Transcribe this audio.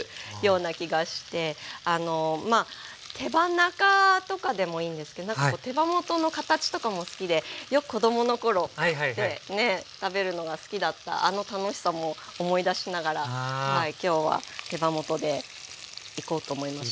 まあ手羽中とかでもいいんですけどなんか手羽元の形とかも好きでよく子供の頃ってねえ食べるのが好きだったあの楽しさも思い出しながら今日は手羽元でいこうと思いました。